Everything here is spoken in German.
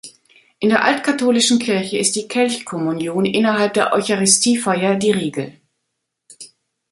In der altkatholischen Kirche ist die Kelchkommunion innerhalb der Eucharistiefeier die Regel.